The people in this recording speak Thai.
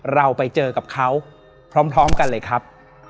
เราไปเจอกับเขาพร้อมกันเลยครับ